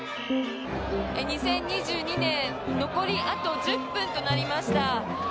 ２０２２年残りあと１０分となりました。